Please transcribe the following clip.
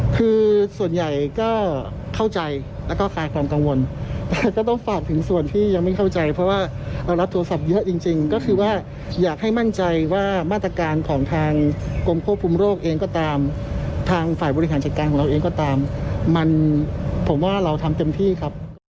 คือส่วนใหญ่ก็เข้าใจแล้วก็คลายความกังวลแต่ก็ต้องฝากถึงส่วนที่ยังไม่เข้าใจเพราะว่าเรารับโทรศัพท์เยอะจริงก็คือว่าอยากให้มั่นใจว่ามาตรการของทางกรมควบคุมโรคเองก็ตามทางฝ่ายบริหารจัดการของเราเองก็ตามมันผมว่าเราทำเต็มที่ครับ